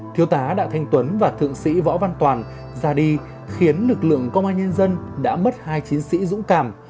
thiếu tá đạ thanh tuấn và thượng sĩ võ văn toàn ra đi khiến lực lượng công an nhân dân đã mất hai chiến sĩ dũng cảm